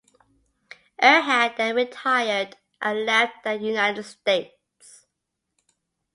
Erhard then retired and left the United States.